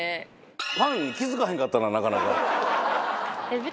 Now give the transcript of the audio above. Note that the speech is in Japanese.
パンに気付かへんかったななかなか。